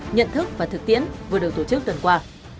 nhận thức và thực tiễn vừa được tổ chức tuần qua